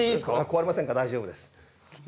壊れませんから大丈夫です。